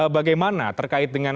bagaimana terkait dengan